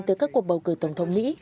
từ các cuộc bầu cử tổng thống mỹ